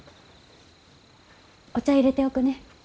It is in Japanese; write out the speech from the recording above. お茶いれておくね。